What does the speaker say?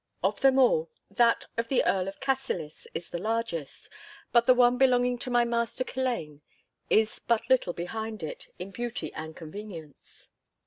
Of them all, that of the Earl of Cassillis, is the largest, but the one belonging to my master Culzean is but little behind it in beauty and convenience.